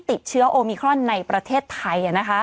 ติดเชื้อโอมิครอนในประเทศไทย